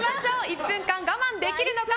１分間、我慢できるのか。